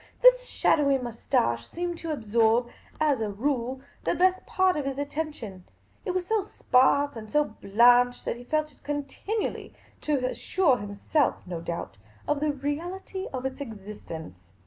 This shadowy moustache seemed to absorb, as a rule, the best part of his attention ; it was so sparse and so blanched that he felt it continually— to assure himself, no doubt, of the reality of its existence.